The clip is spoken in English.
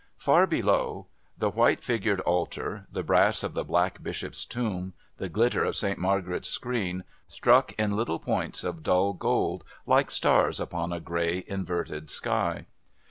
Far below, the white figured altar, the brass of the Black Bishop's tomb, the glitter of Saint Margaret's screen struck in little points of dull gold like stars upon a grey inverted sky.